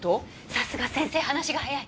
さすが先生話が早い。